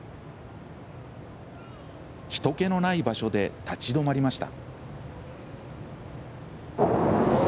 人けのない場所で立ち止まりました。